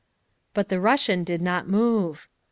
But the Russian did not move.